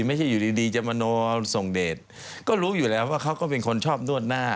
ไม่ใช่อยู่ดีดีจะมโนส่งเดทก็รู้อยู่แล้วว่าเขาก็เป็นคนชอบนวดหน้า